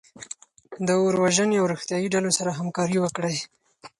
د اور وژنې او روغتیایي ډلو سره همکاري وکړئ.